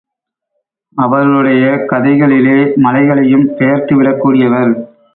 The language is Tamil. அவருடைய கதைகளிலே மலைகளையும் பெயர்த்து விடக்கூடியவர்.